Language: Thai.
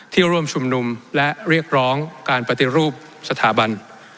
ร่วมชุมนุมและเรียกร้องการปฏิรูปสถาบัน